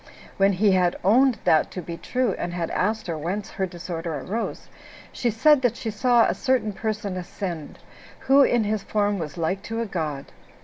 When he had owned that to be true, and had asked her whence her disorder arose, she said that she saw a certain person ascend, who in his form was like to a god.